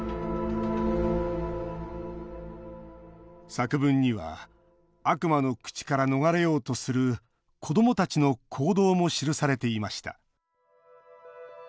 作文には悪魔の口から逃れようとする子どもたちの行動も記されていました。